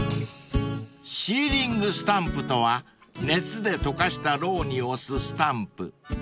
［シーリングスタンプとは熱で溶かしたろうに押すスタンプ］